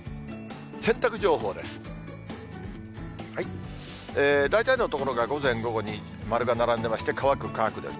洗濯情報です。